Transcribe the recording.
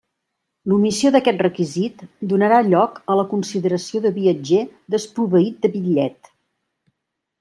L'omissió d'aquest requisit donarà lloc a la consideració de viatger desproveït de bitllet.